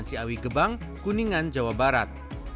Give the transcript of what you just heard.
di awigebang kuningan jawa barat